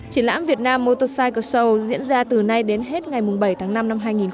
triển lãm việt nam motorcycle show diễn ra từ nay đến hết ngày bảy tháng năm năm hai nghìn một mươi bảy